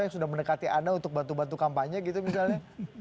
yang sudah mendekati anda untuk bantu bantu kampanye gitu misalnya